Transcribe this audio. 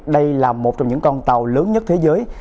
đây là một trong những con tàu lớn nhất thế giới